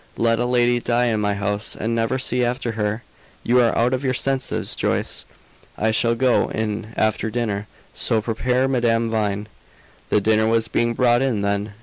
Let a lady die in my house, and never see after her! You are out of your senses, Joyce. I shall go in after dinner; so prepare Madame Vine." The dinner was being brought in then.